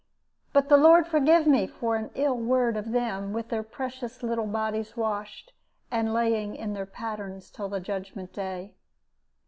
But the Lord forgive me for an ill word of them, with their precious little bodies washed, and laying in their patterns till the judgment day.